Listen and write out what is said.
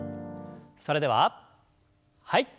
それでははい。